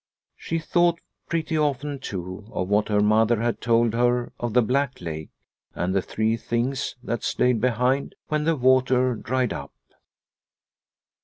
She thought pretty often, too, of what her mother had told her of the Black Lake and the three things that stayed behind when the water dried up.